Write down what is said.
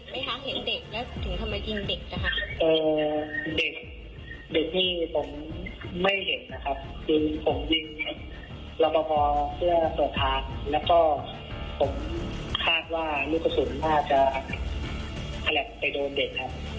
แล้วทำไมเห็นเด็กไหมคะเห็นเด็กแล้วทำไมยินเด็ก